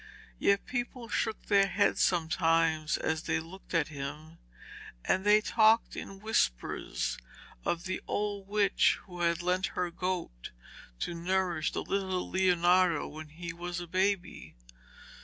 Yet people shook their heads sometimes as they looked at him, and they talked in whispers of the old witch who had lent her goat to nourish the little Leonardo when he was a baby.